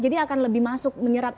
akan lebih masuk menyerap